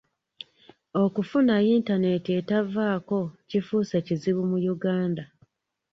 Okufuna yintanenti etavaako kifuuse kizibu mu Uganda.